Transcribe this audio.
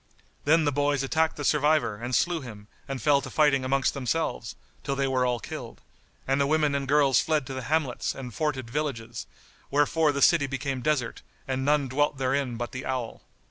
Then the boys attacked the survivor and slew him and fell to fighting amongst themselves, till they were all killed; and the women and girls fled to the hamlets and forted villages; wherefore the city became desert and none dwelt therein but the owl.